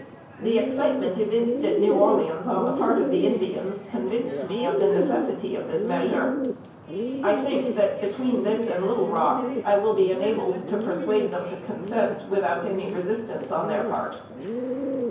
The excitement evinced at New Orleans on the part of the Indians, convinced me of the necessity of this measure. I think that, between this and Little Rock, I will be enabled to persuade them to consent without any resistance on their part."